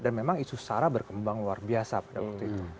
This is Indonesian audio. dan memang isu sara berkembang luar biasa pada waktu itu